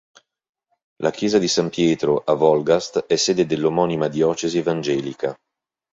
La chiesa di San Pietro a Wolgast è sede dell'omonima diocesi evangelica.